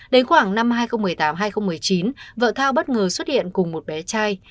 đến khoảng năm hai nghìn một mươi tám hai nghìn một mươi chín vợ thao bất ngờ xuất hiện cùng một bé trai